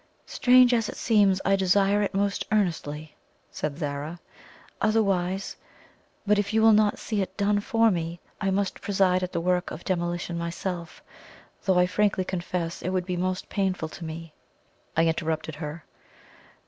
"Strange as it seems, I desire it most earnestly," said Zara; "otherwise but if you will not see it done for me, I must preside at the work of demolition myself, though I frankly confess it would be most painful to me." I interrupted her.